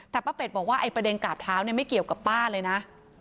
แต่ป้าเป็ดบอกว่าไอ้ประเด็นกราบเท้าเนี่ยไม่เกี่ยวกับป้าเลยนะ